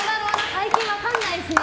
最近分からないですね。